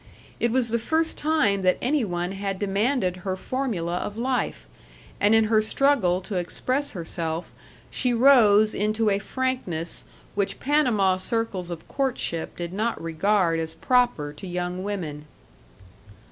It was the first time that any one had demanded her formula of life, and in her struggle to express herself she rose into a frankness which Panama circles of courtship did not regard as proper to young women.